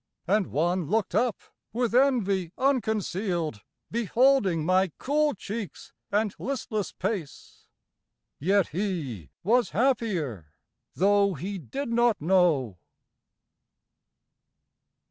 And one looked up, with envy unconcealed, Beholding my cool cheeks and listless pace, Yet he was happier, though he did not know.